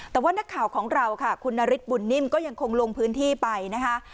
แต่ว่านักข่าวของเราค่ะคุณนฤทธบุญนิ่มก็ยังคงลงพื้นที่ไปนะคะ